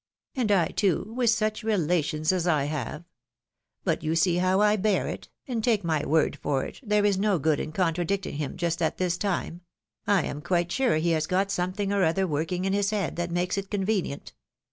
And I, too, with such relations as I have ! But you see how I bear it ; and take my word for it, there is no good in contradicting him just at this time ; I am quite sure he has got something or other working in his head that makes it convenient.